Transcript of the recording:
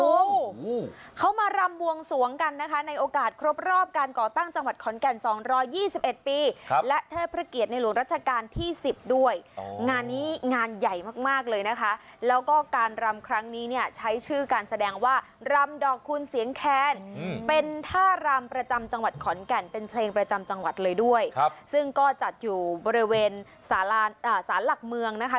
รอไม่พกอำเพิร์นรวมกว่าหนึ่งแสนคนนะคุณผู้ชมเขามารำวงสวงกันนะคะในโอกาสครบรอบการก่อตั้งจังหวัดคอนแก่นสองร้อยี่สิบเอ็ดปีครับและเทพลิเกียรติในหลวงราชการที่สิบด้วยอ๋อหงานนี้งานใหญ่มากมากเลยนะคะแล้วก็การรำครั้งนี้เนี่ยใช้ชื่อการแสดงว่ารำดอกคุณเสียงแค้นอืมเป็นท่ารำประจํ